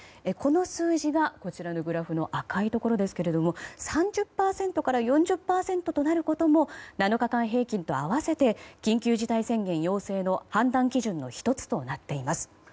この数字が、こちらのグラフの赤いところですが３０％から４０％となることも７日間平均と合わせて緊急事態宣言要請の判断基準の１つとなっています。